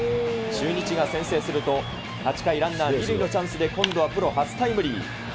中日が先制すると、８回、ランナー２塁のチャンスで、今度はプロ初タイムリー。